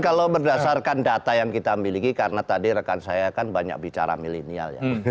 kalau berdasarkan data yang kita miliki karena tadi rekan saya kan banyak bicara milenial ya